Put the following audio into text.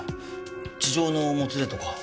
痴情のもつれとか？